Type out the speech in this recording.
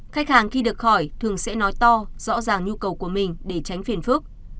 khách hàng khi được hỏi thường sẽ nói to rõ ràng nhu cầu của mình để tránh phiền phức